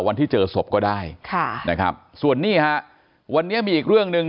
วันที่เจอศพก็ได้ค่ะนะครับส่วนนี้ฮะวันนี้มีอีกเรื่องหนึ่ง